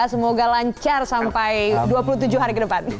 semoga lancar sampai dua puluh tujuh hari ke depan